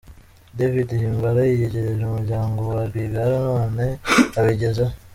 David Himbara yiyegereje umuryango wa Rwigara none abigezeho